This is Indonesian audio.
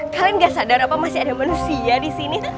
kalian gak sadar apa masih ada manusia di sini